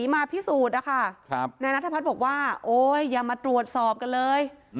นัทภัทรบอกว่าโอ้ยอย่ามาตรวจสอบกันเลย